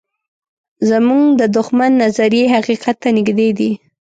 زموږ د دښمن نظریې حقیقت ته نږدې دي.